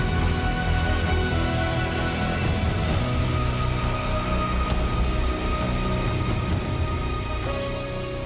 โปรดติดตามตอนต่อไป